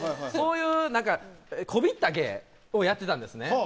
そういう何かこびった芸をやってたんですね。